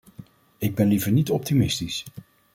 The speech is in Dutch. Ik ben liever niet optimistisch.